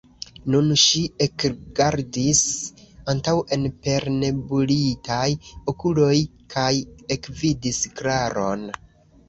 Nun ŝi ekrigardis antaŭen per nebulitaj okuloj kaj ekvidis Klaron.